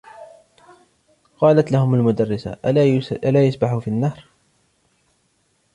قالت لهم المدرسة ألا يسبحوا في النهر.